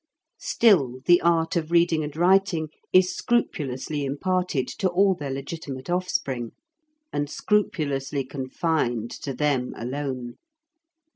Still the art of reading and writing is scrupulously imparted to all their legitimate offspring, and scrupulously confined to them alone.